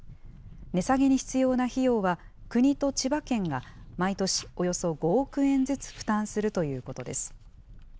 値下げに必要な費用は、国と千葉県が、毎年およそ５億円ずつ負担するということです。